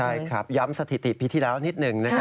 ใช่ครับย้ำสถิติปีที่แล้วนิดหนึ่งนะครับ